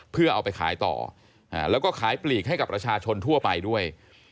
เพื่อเอาไปขายต่อแล้วก็ขายปลีกให้กับประชาชนทั่วไปด้วย